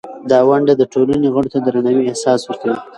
دا ونډه د ټولنې غړو ته د درناوي احساس ورکوي.